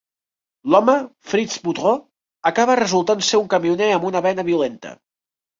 L'home, Fritz Boudreau, acaba resultant ser un camioner amb una vena violenta.